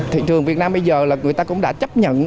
thị trường việt nam bây giờ là người ta cũng đã chấp nhận